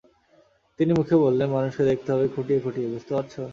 তিনি মুখে বললেন, মানুষকে দেখতে হবে খুঁটিয়ে খুঁটিয়ে, বুঝতে পারছ?